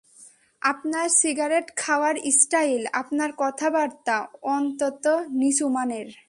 আপনার সিগারেট খাওয়ার স্টাইল, আপনার কথা-বার্তা অত্যন্ত নিচু মানের।